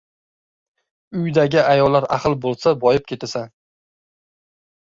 – uydagi ayollar ahil bo‘lsa boyib ketasan.